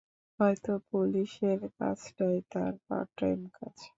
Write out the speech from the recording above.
হয়তো পুলিশের কাজটাই তার পার্টটাইম কাজ।